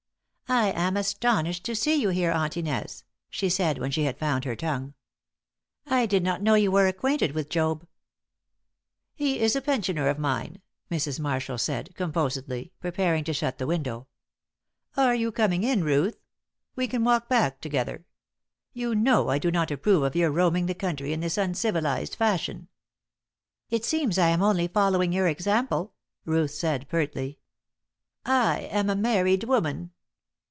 "I am astonished to see you here, Aunt Inez," she said, when she had found her tongue. "I did not know you were acquainted with Job." "He is a pensioner of mine," Mrs. Marshall said, composedly, preparing to shut the window. "Are you coming in, Ruth? We can walk back together. You know I do not approve of your roaming the country in this uncivilised fashion." "It seems I am only following your example," Ruth said, pertly. "I am a married woman."